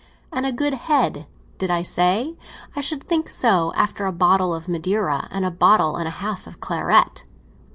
And a good head, did I say? I should think so—after a bottle of Madeira and a bottle and a half of claret!"